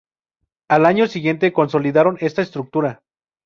Al año siguiente consolidaron esta estructura.